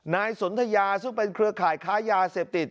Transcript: นายสนทยาซึ่งเป็นเครือข่ายค้ายาเสพติด